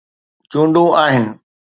چونڊون آهن.